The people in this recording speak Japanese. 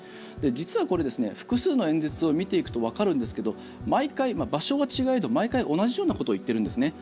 実はこれ、複数の演説を見ていくとわかるんですけど毎回、場所は違えど毎回同じようなことを言ってるんですね。